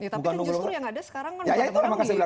tapi justru yang ada sekarang kan banyak orang yang ditunggu